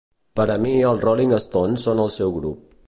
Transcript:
Per a mi, els Rolling Stones són el seu grup.